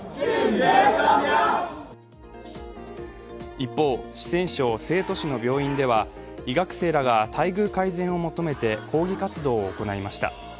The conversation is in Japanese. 一方、四川省成都市の病院では医学生らが待遇改善を求めて抗議活動を行いました。